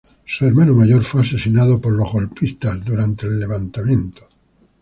Su hermano mayor fue asesinado por los revolucionarios durante el levantamiento.